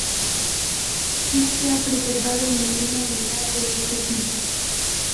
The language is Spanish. No se ha preservado ninguna unidad de este tipo.